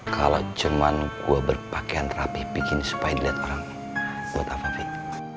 kalau cuma gua berpakaian rapih bikin supaya dilihat orang buat apa sih